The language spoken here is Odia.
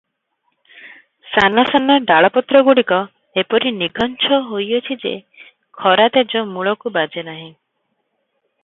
ସାନ ସାନ ଡାଳ ପତ୍ରଗୁଡିକ ଏପରି ନିଘଞ୍ଚ ହୋଇଅଛି ଯେ, ଖରା ତେଜ ମୂଳକୁ ବାଜେ ନାହିଁ ।